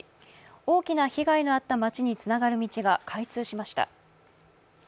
大きな被害のあった町につながる道が開通しました。